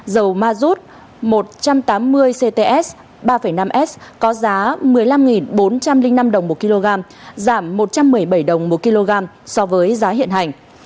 dầu mazut một trăm tám mươi cts ba năm s có giá một mươi năm bốn trăm linh năm đồng một kg giảm một trăm một mươi bảy đồng một kg so với giá hiện hành